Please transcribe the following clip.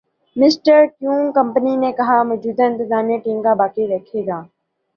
mister Kevin company نے کہا موجودہ انتظامیہ ٹیم کا باقی رکھے گا